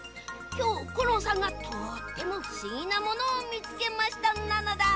きょうコロンさんがとってもふしぎなものをみつけましたなのだ。